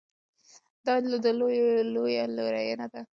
دا د ده لویه لورینه ده.